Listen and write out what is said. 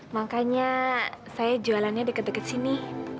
makanya saya jualannya deket deket sini